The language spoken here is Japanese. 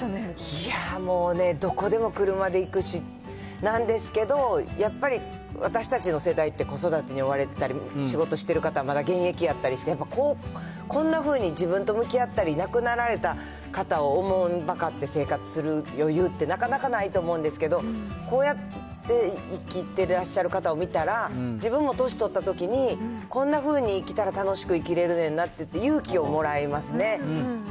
いやもうね、どこでも車で行くし、なんですけど、やっぱり私たちの世代って、子育てに追われてたり、仕事してる方はまだ現役だったりして、やっぱこんなふうに自分と向き合ったり、亡くなられた方を慮って生活する余裕って、なかなかないと思うんですけど、こうやって生きてらっしゃる方を見たら、自分も年取ったときに、こんなふうに生きたら楽しく生きれるねんなっていって、勇気をもらいますね。